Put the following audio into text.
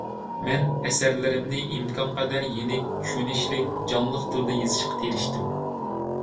مەن ئەسەرلىرىمنى ئىمكانقەدەر يېنىك، چۈشىنىشلىك، جانلىق تىلدا يېزىشقا تىرىشتىم.